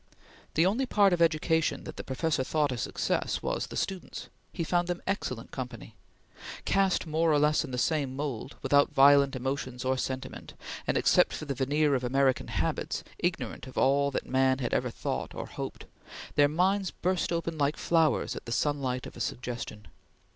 The only part of education that the professor thought a success was the students. He found them excellent company. Cast more or less in the same mould, without violent emotions or sentiment, and, except for the veneer of American habits, ignorant of all that man had ever thought or hoped, their minds burst open like flowers at the sunlight of a suggestion.